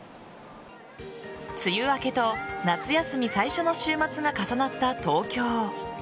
梅雨明けと夏休み最初の週末が重なった東京。